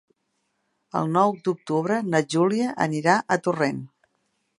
El nou d'octubre na Júlia anirà a Torrent.